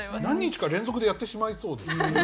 何日か連続でやってしまいそうですよ。